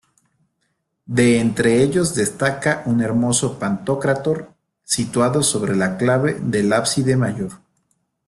De entre ellos destaca un hermoso pantocrátor situado sobre la clave del ábside mayor.